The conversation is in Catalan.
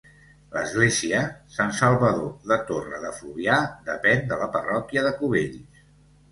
L'església, Sant Salvador de Torre de Fluvià, depèn de la parròquia de Cubells.